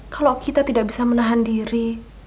kalau kita tidak bisa menahan diri